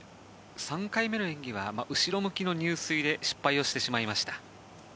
３回目の演技は後ろ向きの入水で失敗してしまいました。